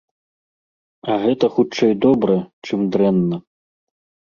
А гэта хутчэй добра, чым дрэнна.